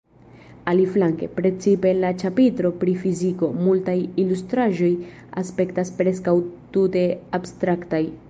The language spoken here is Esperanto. Aliflanke, precipe en la ĉapitro pri “fiziko,” multaj ilustraĵoj aspektas preskaŭ tute abstraktaj.